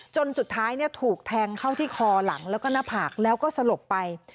จนสุดท้ายถูกแทงเข้าที่คอหลังแล้วก็หน้าผากแล้วก็สลบไป